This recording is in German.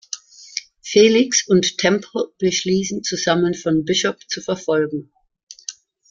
Felix und Temple beschließen, zusammen von Bishop zu verfolgen.